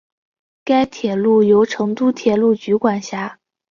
该铁路由成都铁路局管辖。